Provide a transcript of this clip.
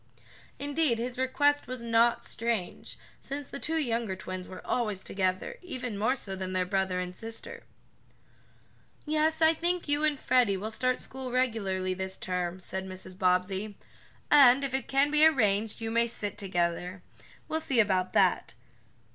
Indeed his request was not strange, since the two younger twins were always together even more so than their brother and sister. "Yes, I think you and Freddie will start school regularly this term," said Mrs. Bobbsey, "and, if it can be arranged, you may sit together. We'll see about that.